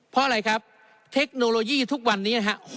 เพราะอะไรครับเทคโนโลยีทุกวันนี้นะครับ